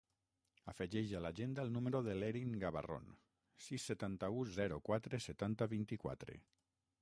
Afegeix a l'agenda el número de l'Erin Gabarron: sis, setanta-u, zero, quatre, setanta, vint-i-quatre.